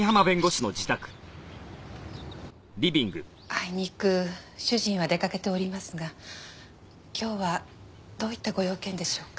あいにく主人は出かけておりますが今日はどういったご用件でしょうか？